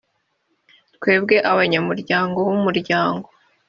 twebwe abanyamuryango b umuryango